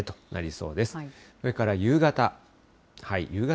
それから夕方。